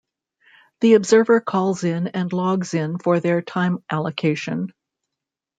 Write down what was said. The observer calls in and logs in for their time allocation.